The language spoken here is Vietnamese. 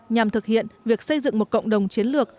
nhằm thực hiện việc xây dựng một cộng đồng chiến lược